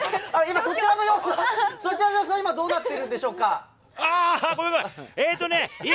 そちらの様子、今どうなってるんでしょうか？